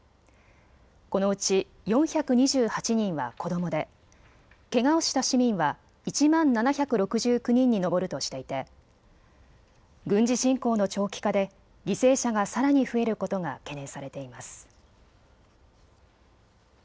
このうち４２８人は子どもでけがをした市民は１万７６９人に上るとしていて軍事侵攻の長期化で犠牲者がさらに増えることが懸念されています。